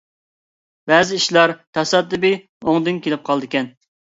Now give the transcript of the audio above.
بەزى ئىشلار تاسادىپىي ئوڭدىن كېلىپ قالىدىكەن.